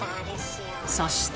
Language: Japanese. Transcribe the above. そして。